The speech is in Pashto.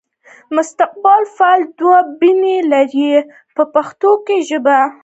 مستقبل فعل دوه بڼې لري په پښتو ژبه.